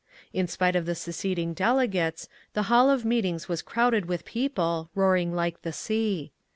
In spite of the seceding delegates, the hall of meetings was crowded with people, roaring like the sea.